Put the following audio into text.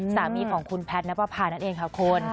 สามีของคุณแพทย์นับประพานั่นเองค่ะคุณ